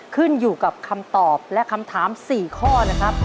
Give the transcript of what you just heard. ขึ้นอยู่กับคำตอบและคำถาม๔ข้อนะครับ